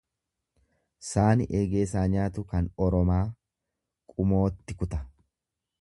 Saani eegeesaa nyaatu kan oromaa qumootti kuta.